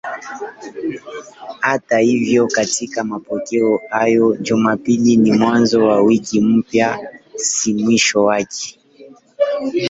Hata hivyo katika mapokeo hayo Jumapili ni mwanzo wa wiki mpya, si mwisho wake.